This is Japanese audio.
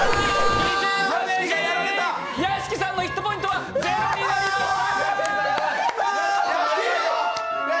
屋敷さんのヒットポイント０になりました！